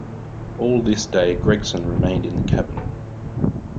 All this day Gregson remained in the cabin.